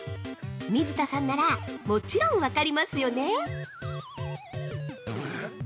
水田さんならもちろん分かりますよね？